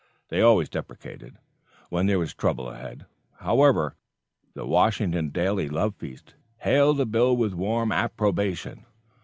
They always deprecated, when there was trouble ahead. However, 'The Washington Daily Love Feast' hailed the bill with warm approbation.